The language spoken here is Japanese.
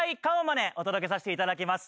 お届けさせていただきます。